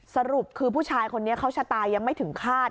สรุปคือผู้ชายคนนี้เขาชะตายังไม่ถึงคาด